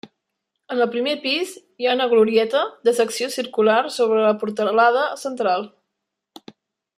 En el primer pis hi ha una glorieta, de secció circular sobre la portalada central.